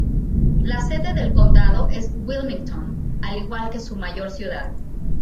La sede del condado es Wilmington, al igual que su mayor ciudad.